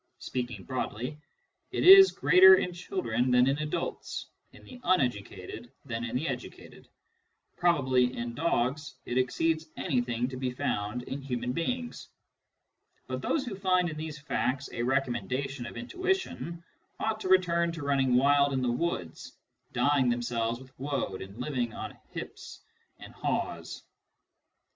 Speaking broadly, it is greater in children than in adults, in the uneducated than in the educated. Probably in dogs it exceeds anything to be found in Digitized by Google 24 SCIENTIFIC METHOD IN PHILOSOPHY human beings. But those who find in these facts a recommendation of intuition ought to return to running wild in the woods, dyeing themselves with woad and living on hips and haws.